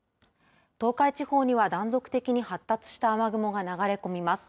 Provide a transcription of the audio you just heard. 東海地方には断続的に発達した雨雲が流れ込みます。